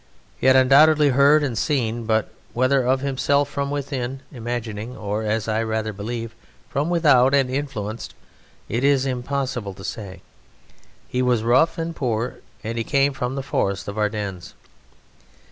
He had undoubtedly heard and seen, but whether of himself from within, imagining, or, as I rather believe, from without and influenced, it is impossible to say. He was rough and poor, and he came from the Forest of Ardennes.